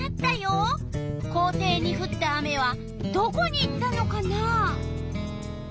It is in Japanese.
校庭にふった雨はどこに行ったのかな？